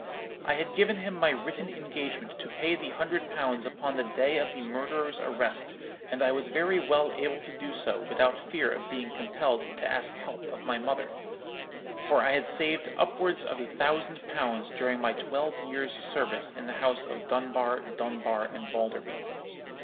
I had given him my written engagement to pay the hundred pounds upon the day of the murderer's arrest, and I was very well able to do so without fear of being compelled to ask help of my mother; for I had saved upwards of a thousand pounds during my twelve years' service in the house of Dunbar, Dunbar, and Balderby.